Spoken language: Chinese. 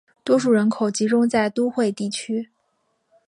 多数人口集中在都会地区。